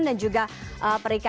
dan juga perikanan